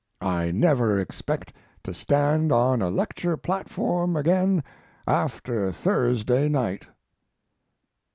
I never expect to stand on a lecture platform again after Thursday night."